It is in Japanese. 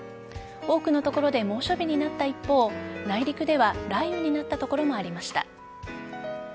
多くの所で猛暑日になった一方内陸では雷雨になった所もありました。